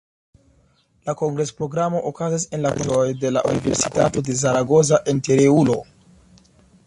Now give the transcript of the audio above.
La kongres-programo okazis en la konstruaĵoj de la Universitato de Zaragozo en Teruelo.